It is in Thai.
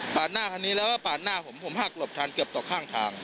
หน้าคันนี้แล้วก็ปาดหน้าผมผมหักหลบทันเกือบตกข้างทาง